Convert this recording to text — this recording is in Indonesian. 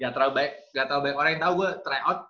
terlalu banyak orang yang tau gue try out